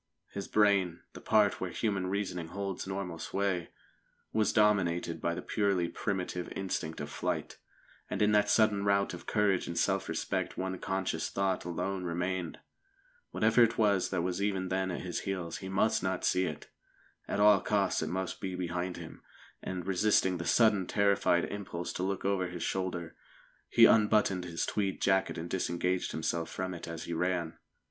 His brain the part where human reasoning holds normal sway was dominated by the purely primitive instinct of flight. And in that sudden rout of courage and self respect one conscious thought alone remained. Whatever it was that was even then at his heels, he must not see it. At all costs it must be behind him, and, resisting the sudden terrified impulse to look over his shoulder, he unbuttoned his tweed jacket and disengaged himself from it as he ran.